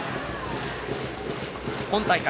今大会